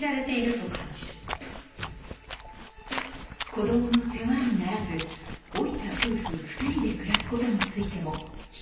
子どもの世話にならず老いた夫婦２人で暮らすことについても否定的です。